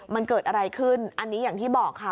มันเกิดอะไรขึ้นอันนี้อย่างที่บอกค่ะ